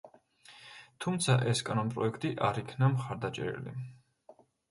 თუმცა ეს კანონპროექტი არ იქნა მხარდაჭერილი.